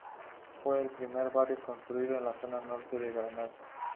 Fue el primer barrio construido en la zona norte de Granada.